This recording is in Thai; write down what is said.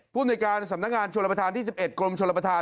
ผู้โดยการสำนักงานชวนละประทานที่๑๑กรมชวนละประทาน